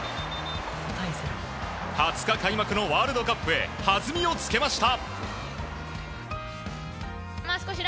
２０日開幕のワールドカップへ弾みをつけました。